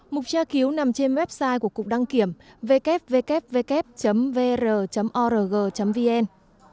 mục tra cứu nằm trên website của cục đăng kiểm www vr org vn